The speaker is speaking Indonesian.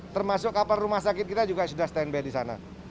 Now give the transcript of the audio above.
termasuk kapal rumah sakit kita juga sudah standby di sana